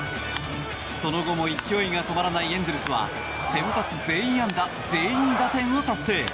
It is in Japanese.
その後も勢いが止まらないエンゼルスは先発全員安打、全員打点を達成。